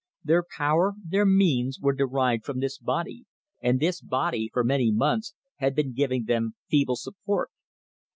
Their power, their means, were derived from this body, and this body for many months had been giv ing them feeble support.